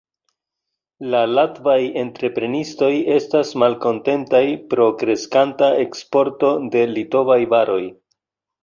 La latvaj entreprenistoj estas malkontentaj pro kreskanta eksporto de litovaj varoj.